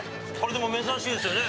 でも珍しいですよね